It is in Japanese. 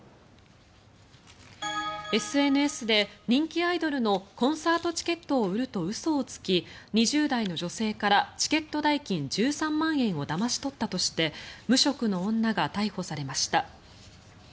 ＳＮＳで、人気アイドルのコンサートチケットを売ると嘘をつき２０代の女性からチケット代金１３万円をだまし取ったとして無職の女が逮捕されました。